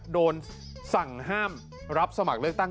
โดนสั่งห้ามรับสมัครเลือกตั้ง